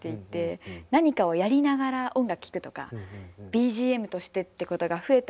何かをやりながら音楽聴くとかＢＧＭとしてってことが増えた